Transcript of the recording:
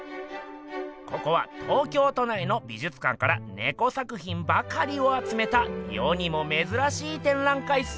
ここは東京都内の美術館からネコ作品ばかりをあつめた世にもめずらしい展覧会っす。